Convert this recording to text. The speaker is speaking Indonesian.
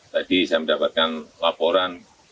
tadi saya mendapatkan laporan